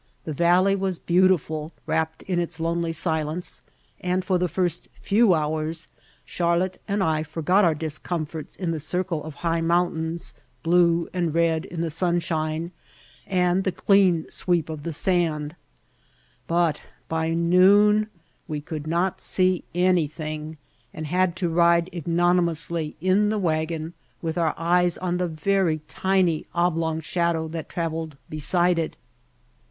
The valley was beautiful, wrapped in its lonely silence, and for the first few hours Charlotte and I forgot our discomforts in the circle of high mountains, blue and red in the sunshine, and the clean sweep of the sand; but by noon we could not see any thing and had to ride ignominiously in the wagon with our eyes on the very tiny oblong shadow that traveled beside it.